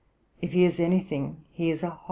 If he is anything, he is a Hobbist.'